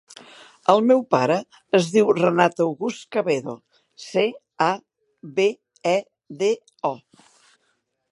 El meu pare es diu Renat August Cabedo: ce, a, be, e, de, o.